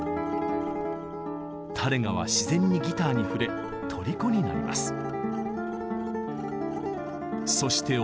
タレガは自然にギターに触れとりこになります。